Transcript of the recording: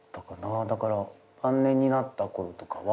だから晩年になったころとかは。